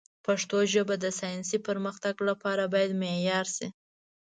پښتو ژبه د ساینسي پرمختګ لپاره باید معیاري شي.